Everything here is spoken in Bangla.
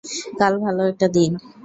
কাল ভালো একটা দিন।